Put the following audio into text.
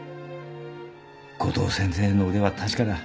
コトー先生の腕は確かだ。